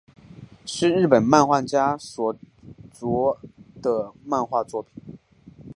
是日本漫画家所着的漫画作品。